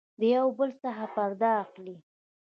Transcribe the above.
د يو بل څخه پرده اخلي